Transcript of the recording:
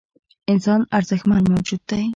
انسان ارزښتمن موجود دی .